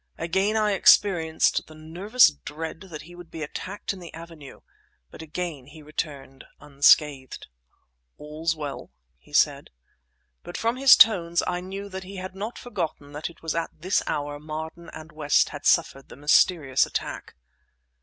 Again I experienced the nervous dread that he would be attacked in the avenue; but again he returned unscathed. "All's well," he said. But from his tones I knew that he had not forgotten that it was at this hour Marden and West had suffered mysterious attack.